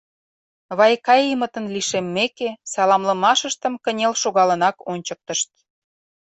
Вайкаимытын лишеммеке, саламлымашыштым кынел шогалынак ончыктышт.